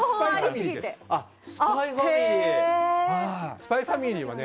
「ＳＰＹ×ＦＡＭＩＬＹ」です。